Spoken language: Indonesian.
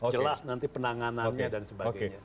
jelas nanti penanganannya dan sebagainya